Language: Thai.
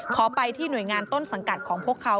ขอไปที่หน่วยงานต้นสังกัดของพวกเขา